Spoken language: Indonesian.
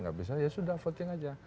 nggak bisa ya sudah voting aja